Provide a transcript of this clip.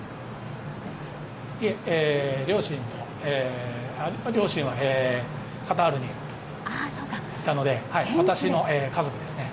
いえ、両親はカタールにいたので私の家族ですね。